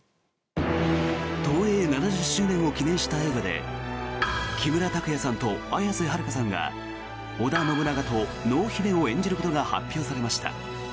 東映７０周年を記念した映画で木村拓哉さんと綾瀬はるかさんが織田信長と濃姫を演じることが発表されました。